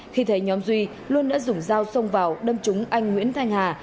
khi thấy nhóm duy luân đã dùng dao xông vào đâm trúng anh nguyễn thanh hà